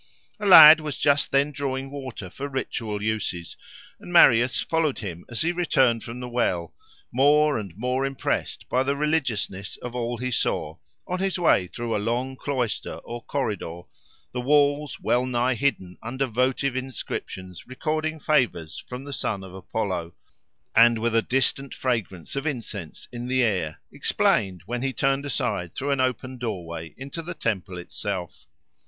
A lad was just then drawing water for ritual uses, and Marius followed him as he returned from the well, more and more impressed by the religiousness of all he saw, on his way through a long cloister or corridor, the walls well nigh hidden under votive inscriptions recording favours from the son of Apollo, and with a distant fragrance of incense in the air, explained when he turned aside through an open doorway into the temple itself.